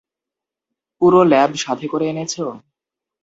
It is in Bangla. পুরো ল্যাব সাথে করে এনেছো?